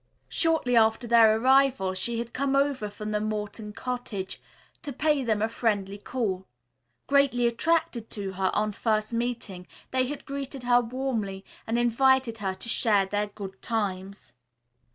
Shortly after their arrival she had come over from the Morton cottage to pay them a friendly call. Greatly attracted to her, on first meeting they had greeted her warmly and invited her to share their good times.